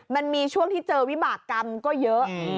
มันมีช่วงที่เจอวิบากรรมก็เยอะ